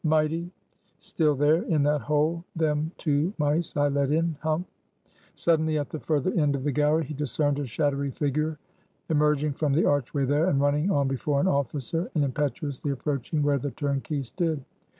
"Mighty still there, in that hole, them two mice I let in; humph!" Suddenly, at the further end of the gallery, he discerned a shadowy figure emerging from the archway there, and running on before an officer, and impetuously approaching where the turnkey stood.